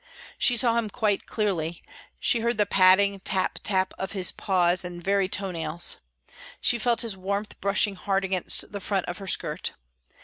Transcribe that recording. She saw him quite clearly; she heard the padding tap tap of his paws and very toe nails; she felt his warmth brushing hard against the front of her skirt.